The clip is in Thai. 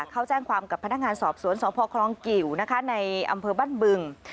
เขาแจ้งความกับพนักงานสอบสวนสพคลองกิวในอำเภอบ้านบึง